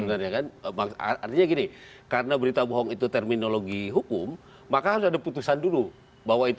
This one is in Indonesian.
sebenarnya kan artinya gini karena berita bohong itu terminologi hukum maka harus ada putusan dulu bahwa itu